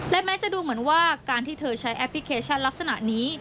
และแม้จะดูเหมือนว่าการที่เธอใช้แอปพลิเคชันลักษณะนี้